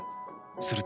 すると